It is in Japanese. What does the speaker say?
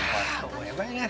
もうやばいね。